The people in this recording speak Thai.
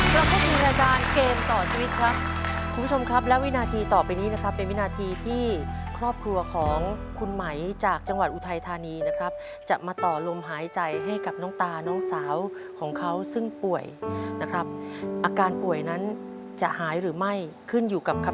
คุณผู้ชมครับและวินาทีต่อไปนี้นะครับเป็นวินาทีที่ครอบครัวของคุณไหมจากจังหวัดอุทัยธานีนะครับจะมาต่อลมหายใจให้กับน้องตาน้องสาวของเขาซึ่งป่วยนะครับอาการป่วยนั้นจะหายหรือไม่ขึ้นอยู่กับคุณไหมครับ